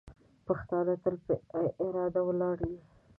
پښتانه تل په اراده ولاړ دي.